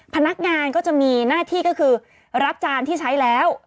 พนักงานก็จะมีหน้าที่ก็คือรับจานที่ใช้แล้ว